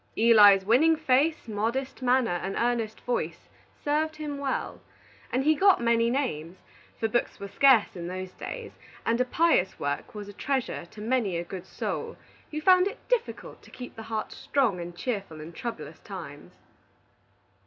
Eli's winning face, modest manner, and earnest voice served him well, and he got many names; for books were scarce in those days, and a pious work was a treasure to many a good soul who found it difficult to keep the heart strong and cheerful in troublous times.